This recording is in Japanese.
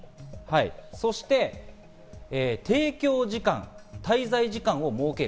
そして提供時間、滞在時間を設ける。